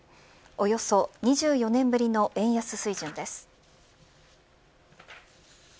およそ２４年ぶりの円安水準です。